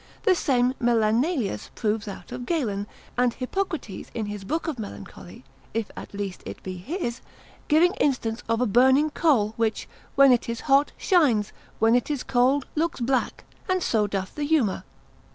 The same Melanelius proves out of Galen; and Hippocrates in his Book of Melancholy (if at least it be his), giving instance in a burning coal, which when it is hot, shines; when it is cold, looks black; and so doth the humour.